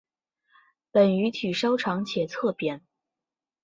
本鱼体稍长且侧扁。